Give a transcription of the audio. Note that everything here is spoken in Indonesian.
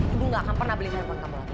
ibu nggak akan pernah beli handphone kamu lagi